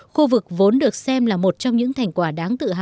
khu vực vốn được xem là một trong những thành quả đáng tự hào